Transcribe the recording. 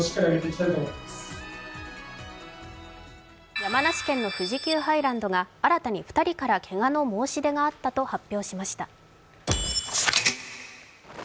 山梨県の富士急ハイランドが新たに２人からけがの申し出があったと発表しました。